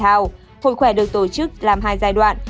hội khoẻ được tổ chức làm hai giai đoạn